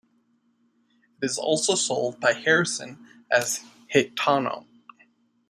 It is also sold by Harrison as "Hytemco".